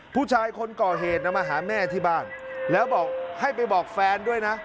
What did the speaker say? ผู้ชายคนก่อเหตุนะมาหาแม่ที่บ้านแล้วบอกให้ไปบอกแฟนด้วยนะ